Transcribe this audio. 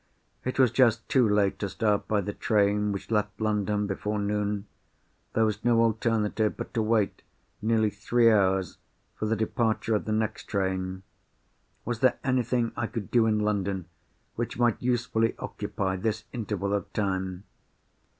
It was just too late to start by the train which left London before noon. There was no alternative but to wait, nearly three hours, for the departure of the next train. Was there anything I could do in London, which might usefully occupy this interval of time?